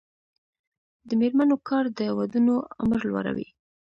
د میرمنو کار د ودونو عمر لوړوي.